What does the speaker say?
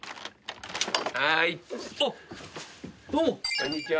こんにちは。